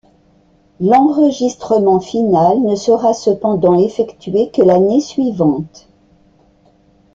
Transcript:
L'enregistrement final ne sera cependant effectué que l'année suivante.